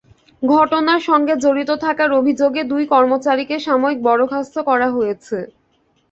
ঘটনার সঙ্গে জড়িত থাকার অভিযোগে দুই কর্মচারীকে সাময়িক বরখাস্ত করা হয়েছে।